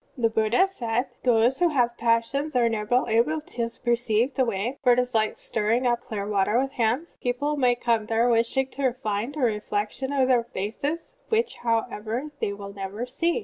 '" (i6) The Buddha said: "Those who have passions are never able to perceive the Way; for it is like stirring up clear water with hands; people may come there wishing to find a reflec tion of their faces, which, however, they will never see.